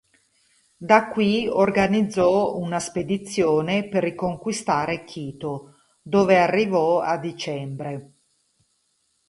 Da qui organizzò una spedizione per riconquistare Quito, dove arrivò a dicembre.